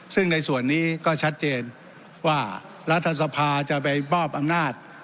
ซึ่งในส่วนนี้ก็ชัดเจนว่ารัฐสภาจะไปมอบอำนาจ